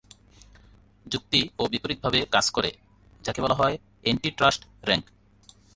যুক্তিও বিপরীতভাবে কাজ করে, যাকে বলা হয় এন্টি-ট্রাস্ট র্যাঙ্ক।